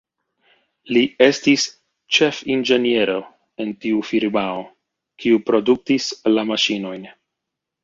Li estis ĉefinĝeniero en tiu firmao, kiu produktis la maŝinojn.